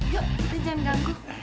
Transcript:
yuk kita jangan ganggu